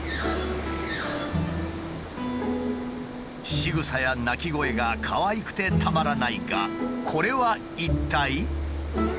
しぐさや鳴き声がかわいくてたまらないがこれは一体。